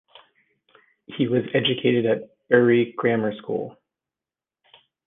He was educated at Bury Grammar School.